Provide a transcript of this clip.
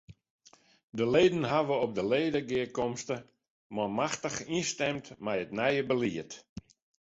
De leden hawwe op de ledegearkomste manmachtich ynstimd mei it nije belied.